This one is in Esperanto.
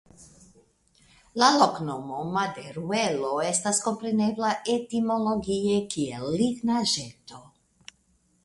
La loknomo "Maderuelo" estas komprenebla etimologie kiel Lignaĵeto.